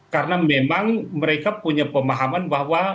karena memang mereka punya pemahaman bahwa